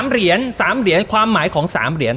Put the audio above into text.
๓เหรียญความหมายของ๓เหรียญ